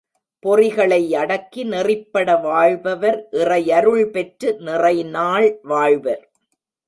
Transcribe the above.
பொறிகளை அடக்கி நெறிப்பட வாழ்பவர் இறையருள் பெற்று நிறைநாள் வாழ்வர்.